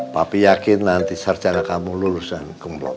papi yakin nanti secara kamu lulusan kumlot